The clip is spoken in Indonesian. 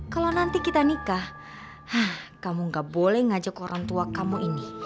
kalau nanti kita nikah kamu gak boleh ngajak orang tua kamu ini